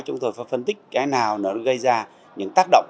chúng tôi phải phân tích cái nào nó gây ra những tác động